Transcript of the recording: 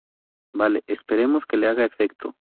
vale. esperemos que le haga efecto.